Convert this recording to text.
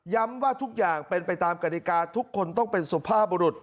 ว่าทุกอย่างเป็นไปตามกฎิกาทุกคนต้องเป็นสุภาพบุรุษ